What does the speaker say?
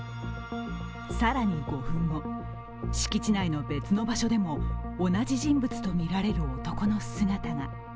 更に５分後、敷地内の別の場所でも同じ人物とみられる男の姿が。